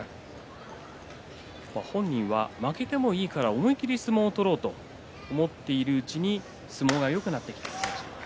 本人は負けてもいいから思い切り相撲を取ろうと思っているうちに相撲がよくなってきたと話しています。